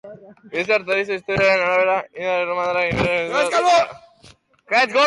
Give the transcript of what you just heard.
Greziar tradizio historikoaren arabera, Indiak Erromatar Inperioko ur-errotak jaso zituen.